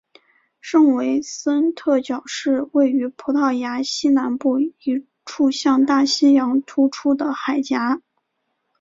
圣维森特角是位于葡萄牙西南部一处向大西洋突出的海岬。